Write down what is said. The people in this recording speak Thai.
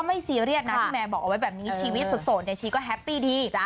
ซีเรียสนะพี่แมนบอกเอาไว้แบบนี้ชีวิตโสดเนี่ยชีก็แฮปปี้ดี